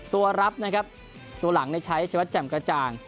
ตัวรับนะครับตัวหลังใช้ชวัดแจ่มกระจ่าง